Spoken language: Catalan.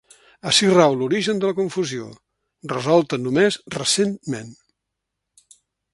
Ací rau l'origen de la confusió, resolta només recentment.